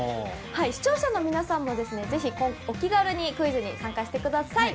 視聴者の皆さんも、ぜひお気軽にクイズに参加してください。